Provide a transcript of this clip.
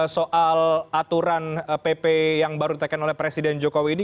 soal aturan pp yang baru ditekan oleh presiden jokowi ini